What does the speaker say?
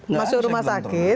masuk rumah sakit